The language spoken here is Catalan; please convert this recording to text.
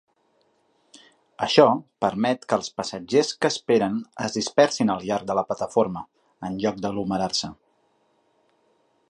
Això permet que els passatgers que esperen es dispersin al llarg de la plataforma en lloc d'aglomerar-se.